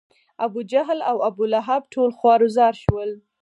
ابوجهل او ابولهب ټول خوار و زار شول.